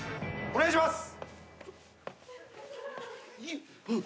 お願いします。